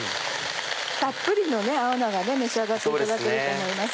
たっぷりの青菜を召し上がっていただけると思います。